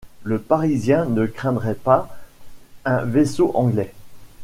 Le Parisien ne craindrait pas un vaisseau anglais...